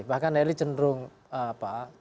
bahkan elit cenderung apa